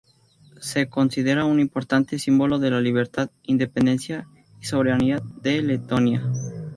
Se considera un importante símbolo de la libertad, independencia y soberanía de Letonia.